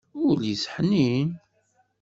Ul-is ḥnin.